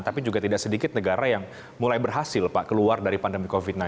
tapi juga tidak sedikit negara yang mulai berhasil pak keluar dari pandemi covid sembilan belas